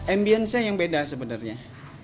ambience nya yang beda sebenarnya